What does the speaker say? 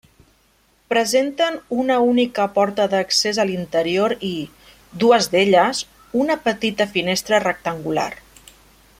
Presenten una única porta d'accés a l'interior i, dues d'elles, una petita finestra rectangular.